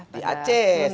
di aceh saya awalnya